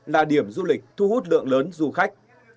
là điểm du lịch thu hút lượng lớn du khách